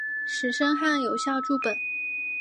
石声汉有校注本。